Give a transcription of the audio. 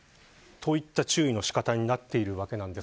といった注意の仕方になっているわけです。